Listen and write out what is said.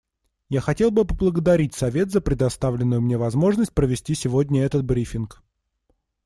Я хотел бы поблагодарить Совет за предоставленную мне возможность провести сегодня этот брифинг.